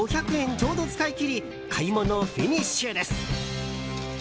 ちょうど使い切り買い物フィニッシュです。